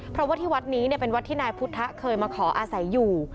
เพราะว่าที่วัดนี้เป็นวัดที่นายพุทธะเคยมาขออาศัยอยู่